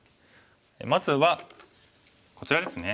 まずはこちらですね。